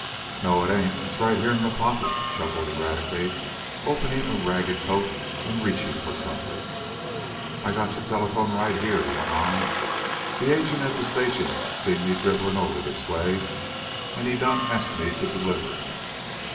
"No, it ain't! it's right yeah in mah pocket," chuckled Eradicate, opening a ragged coat, and reaching for something. "I got yo' telephone right yeah." he went on. "De agent at de station see me dribin' ober dis way, an' he done ast he t' deliber it.